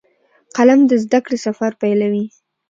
قلم د زده کړې سفر پیلوي